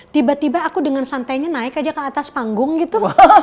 tiba tiba aku dengan santainya naik aja ke atas panggung gitu